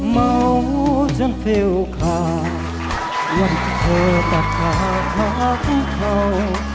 เมาจนเฟียวขาดหวั่นเธอตัดขาดมากเท่า